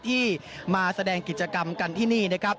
ที่มาแสดงกิจกรรมกันที่นี่นะครับ